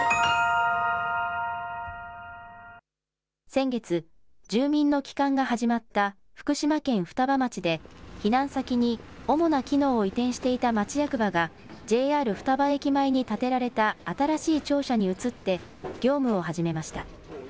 先月、住民の帰還が始まった福島県双葉町で、避難先に主な機能を移転していた町役場が、ＪＲ双葉駅前に建てられた新しい庁舎に移って、業務を始めました。